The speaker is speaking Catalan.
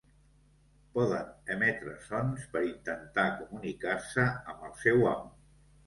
Poden emetre sons per intentar comunicar-se amb el seu amo.